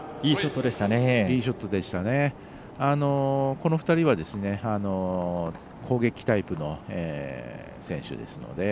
この２人は、攻撃タイプの選手ですので。